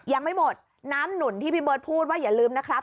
ยังไม่หมดน้ำหนุนที่พี่เบิร์ตพูดว่าอย่าลืมนะครับ